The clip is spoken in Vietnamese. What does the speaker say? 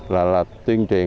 là tuyên truyền